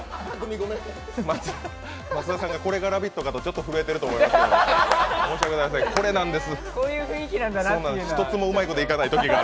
松田さんが、これが「ラヴィット！」かとちょっと震えてるかもしれないですが。